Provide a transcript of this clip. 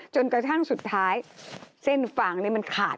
จนกระทั่งสุดท้ายเส้นฟางมันขาด